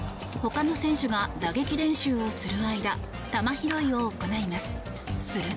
ほかの選手が打撃練習をする間球拾いを行います。